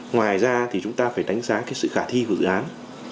ngoài ra thì chúng ta phải đánh giá cái sự khả thi của dự án